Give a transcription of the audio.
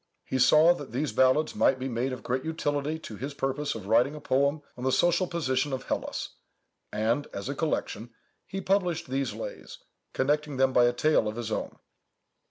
He saw that these ballads might be made of great utility to his purpose of writing a poem on the social position of Hellas, and, as a collection, he published these lays, connecting them by a tale of his own.